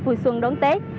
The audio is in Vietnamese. vui xuân đón tết